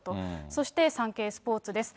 そしてサンケイスポーツです。